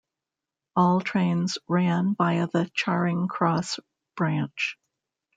All trains ran via the Charing Cross branch.